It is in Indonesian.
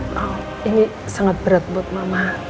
ini sangat susah ini sangat berat buat mama